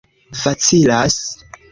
facilas